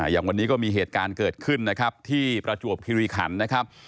อย่างวันนี้ก็มีเหตุการณ์เกิดขึ้นนะครับที่ประจวบคิริขันนะครับ